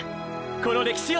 この歴史を！！